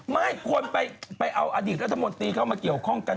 ไม่คนไปเอาอดีตรัฐมนตรีเข้ามาเกี่ยวข้องกัน